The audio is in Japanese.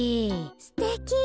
すてき。